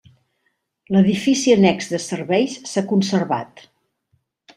L'edifici annex de serveis s'ha conservat.